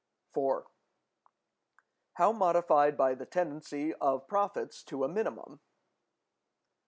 § 4. —how modified by the tendency of profits to a minimum.